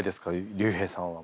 竜兵さんは。